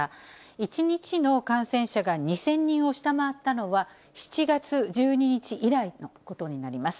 １日の感染者が２０００人を下回ったのは、７月１２日以来のことになります。